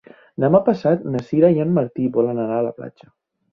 Demà passat na Sira i en Martí volen anar a la platja.